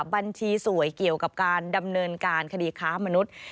บัญชีสวยเกี่ยวกับการดำเนินการคดีค้ามนุษย์